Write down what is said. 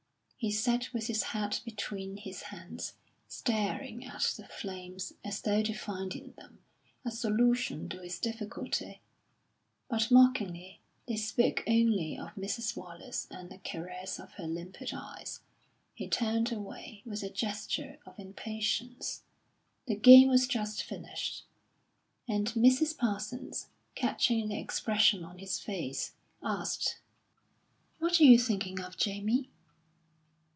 He sat with his head between his hands, staring at the flames as though to find in them a solution to his difficulty; but mockingly they spoke only of Mrs. Wallace and the caress of her limpid eyes. He turned away with a gesture of impatience. The game was just finished, and Mrs. Parsons, catching the expression on his face, asked: "What are you thinking of, Jamie?"